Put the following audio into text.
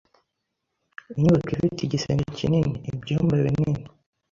Inyubako ifite igisenge kinini ibyumba binini